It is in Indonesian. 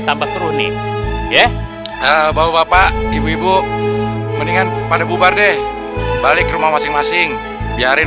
tambah keruni ya bapak bapak ibu ibu mendingan pada bubar deh balik ke rumah masing masing biarin